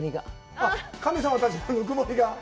あっ、神様たちのぬくもりが？